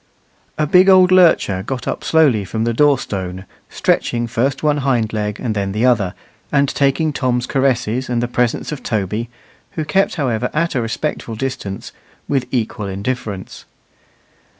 A big old lurcher got up slowly from the door stone, stretching first one hind leg and then the other, and taking Tom's caresses and the presence of Toby, who kept, however, at a respectful distance, with equal indifference.